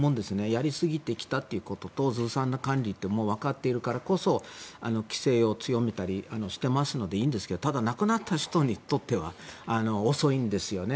やりすぎてきたということとずさんな管理ってわかっているからこそ規制を強めたりしてますのでいいんですけどただ、亡くなった人にとっては遅いんですよね。